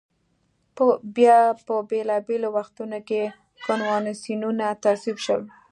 بیا په بېلا بېلو وختونو کې کنوانسیونونه تصویب شول.